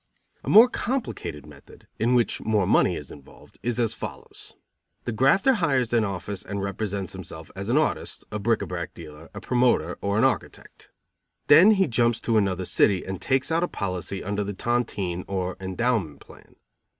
A more complicated method, in which more money is involved, is as follows. The grafter hires an office and represents himself as an artist, a bric à brac dealer, a promoter or an architect. Then he jumps to another city and takes out a policy under the tontien or endowment plan.